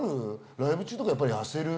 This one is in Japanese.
ライブ中とかやっぱり痩せる？